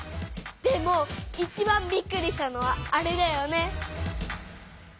でもいちばんびっくりしたのはあれだよね。